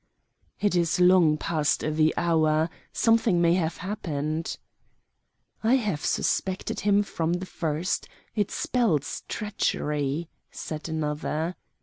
"It is long past the hour. Something may have happened." "I have suspected him from the first. It spells treachery," said another.